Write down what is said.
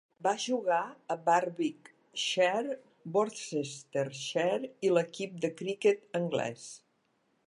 Va jugar a Warwickshire, Worcestershire i l'equip de criquet anglès.